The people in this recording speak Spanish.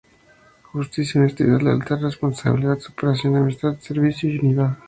Justicia, honestidad, lealtad, responsabilidad, superación, amistad, servicio y unidad.